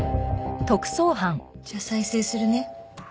じゃあ再生するね。